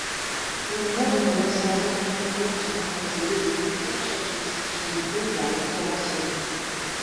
Il naît dans les versants orientaux bien arrosés des Monts Calchaquís qu'il dévale torrentiellement.